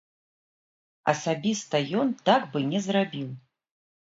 Асабіста ён так бы не зрабіў.